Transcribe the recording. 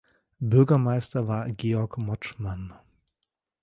Bürgermeister war Georg Motschmann.